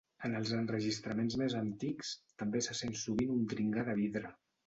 En els enregistraments més antics també se sent sovint un dringar de vidre.